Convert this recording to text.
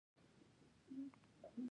په لوړ غږ لوستل هم یوه مؤثره طریقه ده.